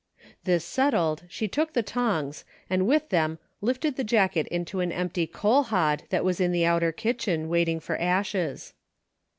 This settled, she took the tongs, and with them lifted the jacket into an empty coal hod that was in the outer kitchen waiting for ashes.